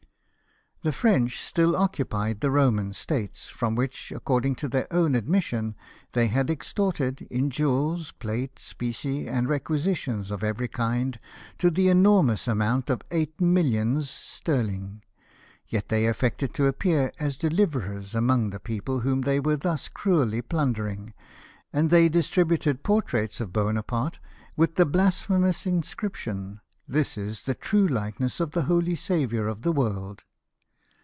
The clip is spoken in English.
The French still occupied the Roman states, from which, according to their own admission, they had extorted, in jewels, plate, specie, and requisitions of every kind, to the enormous amount of eight mil lions sterling, yet they affected to appear as de liverers among the people whom they were thus cnielly plundering, and they distributed portraits of Bonaparte, with the blasphemous inscription —" This is the true likeness of the holy saviour of the world